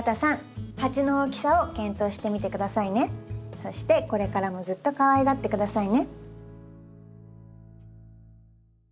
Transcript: そしてこれからもずっとかわいがって下さいね。